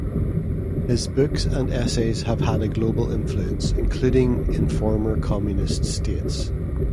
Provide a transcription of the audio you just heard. His books and essays have had global influence, including in former communist states.